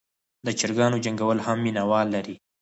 د چرګانو جنګول هم مینه وال لري.